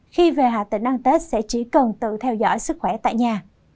khi về hà tĩnh ăn tết sẽ chỉ cần tự theo dõi sức khỏe tại nhà